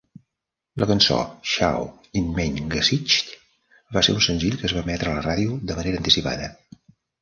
La cançó "Schau in mein Gesicht" va ser un senzill que es va emetre a la ràdio de manera anticipada.